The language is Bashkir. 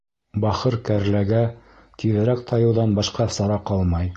Бахыр кәрләгә тиҙерәк тайыуҙан башҡа сара ҡалмай.